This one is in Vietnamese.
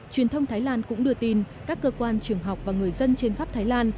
truyền thông thái lan cũng đưa tin các cơ quan trường học và người dân trên khắp thái lan